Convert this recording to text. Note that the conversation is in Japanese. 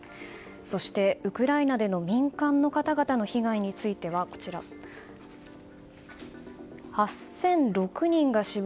そしてウクライナでの民間の方々の被害については８００６人が死亡。